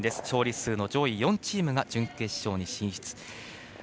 勝利数の上位４チームが準決勝に進出。